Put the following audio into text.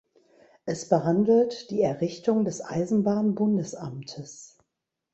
Es behandelt die Errichtung des Eisenbahn-Bundesamtes.